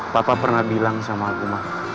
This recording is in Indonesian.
papa pernah bilang sama aku mak